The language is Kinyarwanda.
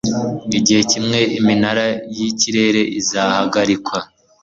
igihe kimwe iminara yikirere izahagarikwa